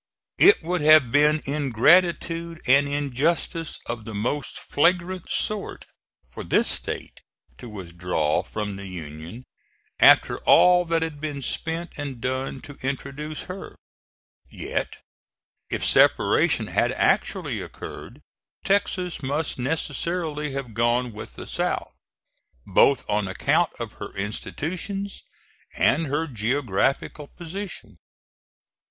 It would have been ingratitude and injustice of the most flagrant sort for this State to withdraw from the Union after all that had been spent and done to introduce her; yet, if separation had actually occurred, Texas must necessarily have gone with the South, both on account of her institutions and her geographical position.